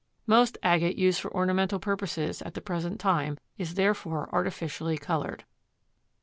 Most agate used for ornamental purposes at the present time is therefore artificially colored.